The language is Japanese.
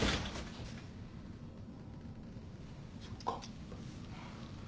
そっか。